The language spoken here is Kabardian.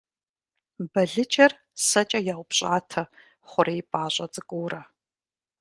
Балыджэр сэкӏэ яупщӏатэ хъурей пӏащӏэ цӏыкӏуурэ.